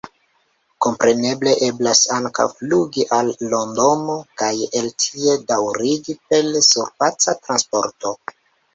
Kompreneble eblas ankaŭ flugi al Londono kaj el tie daŭrigi per surfaca transporto.